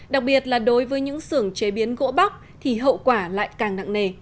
đặc biệt là đối với những sưởng chế biến gỗ bóc thì hậu quả lại càng nặng nề